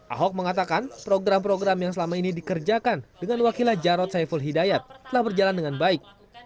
ahok mengatakan program program yang selama ini dikerjakan dengan wakil jarod saiful hidayat telah berjalan dengan baik